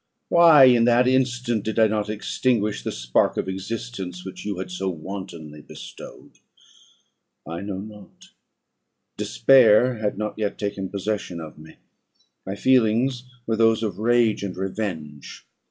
Why, in that instant, did I not extinguish the spark of existence which you had so wantonly bestowed? I know not; despair had not yet taken possession of me; my feelings were those of rage and revenge.